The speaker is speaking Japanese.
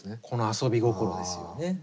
この遊び心ですよね。